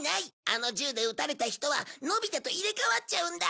あの銃で撃たれた人はのび太と入れ替わっちゃうんだ！